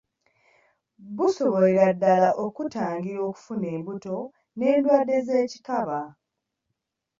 Busobolera ddala okukutangira okufuna embuto n’endwadde z’ekikaba.